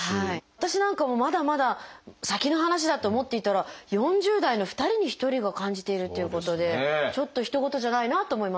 私なんかもまだまだ先の話だと思っていたら４０代の２人に１人が感じているっていうことでちょっとひと事じゃないなと思います。